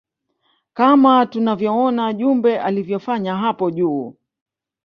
Kama tulivyoona jumbe alivyofanya hapo juu